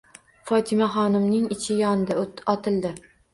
Fotimaxonimning ichi yondi. Otildi.